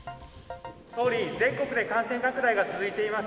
総理、全国で感染拡大が続いています。